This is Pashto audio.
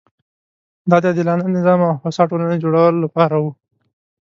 دا د عادلانه نظام او هوسا ټولنې جوړولو لپاره وه.